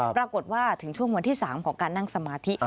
ปรากฏว่าถึงช่วงวันที่๓ของการนั่งสมาธิ